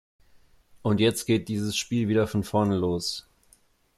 Und jetzt geht dieses Spiel wieder von vorne los!